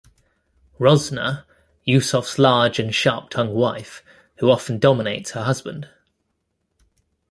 Rosnah - Yusof's large and sharp-tongued wife who often dominates her husband.